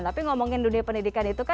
tapi ngomongin dunia pendidikan itu kan